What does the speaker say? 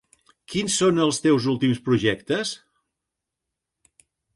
Quins són els teus últims projectes?